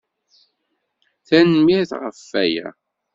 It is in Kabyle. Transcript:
Tanemmirt ɣef waya.